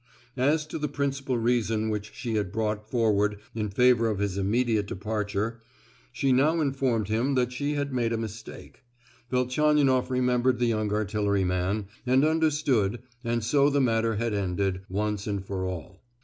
As to the principal reason which she had brought forward in favour of his immediate departure, she now informed him that she had made a mistake. Velchaninoff remembered the young artilleryman, and understood,—and so the matter had ended, once and for all.